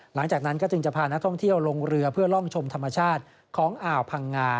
หลังจากนั้นก็จึงจะพานักท่องเที่ยวลงเรือเพื่อล่องชมธรรมชาติของอ่าวพังงา